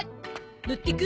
乗ってく？